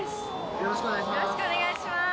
よろしくお願いします